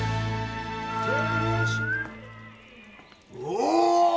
お！